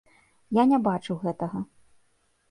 Я не бачыў гэтага.